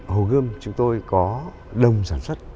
hồ gươm chúng tôi có đồng sản xuất